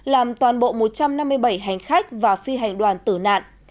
làm toàn bộ một trăm năm mươi bảy hành khách và phi hành đoàn tử nạn